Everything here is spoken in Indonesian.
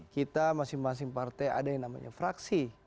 kita masing masing partai ada yang namanya fraksi